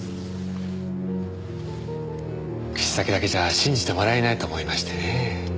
口先だけじゃ信じてもらえないと思いましてね。